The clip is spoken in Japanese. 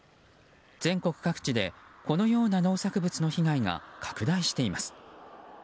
全国各地でこのような農作物の被害が拡大しています。